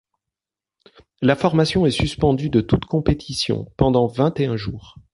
La formation est suspendue de toute compétition pendant vingt et un jours.